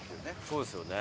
そうですよね。